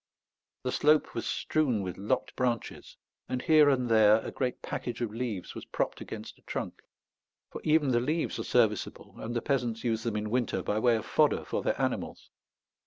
The slope was strewn with lopped branches, and here and there a great package of leaves was propped against a trunk; for even the leaves are serviceable, and the peasants use them in winter by way of fodder for their animals.